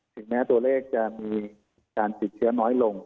ถึงแม้ตัวเลขจะมีการติดเชื้อน้อยลง